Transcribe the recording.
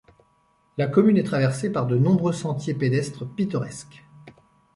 La commune est traversée par de nombreux sentiers pédestres pittoresques.